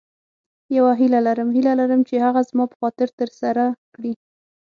یوه هیله لرم هیله لرم چې هغه زما په خاطر تر سره کړې.